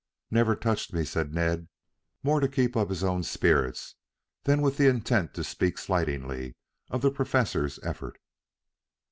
"Never touched me," said Ned, more to keep up his own spirits than with the intent to speak slightingly of the Professor's effort.